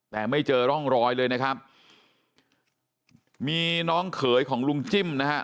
แต่ไม่เจอร่องรอยเลยนะครับมีน้องเขยของลุงจิ้มนะฮะ